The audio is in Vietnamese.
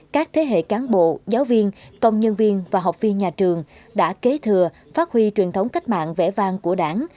các thế hệ cán bộ giáo viên công nhân viên và học viên nhà trường đã kế thừa phát huy truyền thống cách mạng vẽ vang của đảng